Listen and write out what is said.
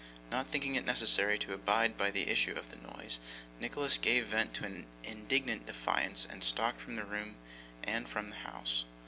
Not thinking it necessary to abide the issue of the noise, Nicholas gave vent to an indignant defiance, and stalked from the room and from the house.